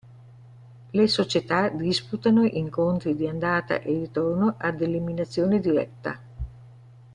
Le società disputano incontri di andata e ritorno ad eliminazione diretta.